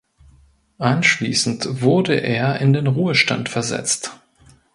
Anschließend wurde er in den Ruhestand versetzt.